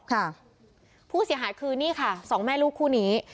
ค่ะผู้เสียหายคือนี่ค่ะสองแม่ลูกคู่นี้